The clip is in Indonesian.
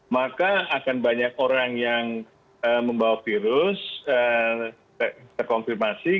maka akan banyak orang yang membawa virus terkonfirmasi